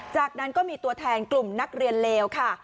จากนั้นก็มีตัวแทนกลุ่มนักเรียนเลวค่ะ